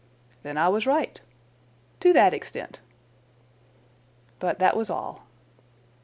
"Then I was right." "To that extent." "But that was all."